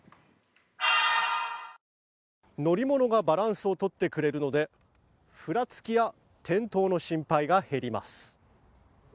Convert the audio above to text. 乗り物がバランスを取ってくれるのでふらつきや転倒の心配が減ります。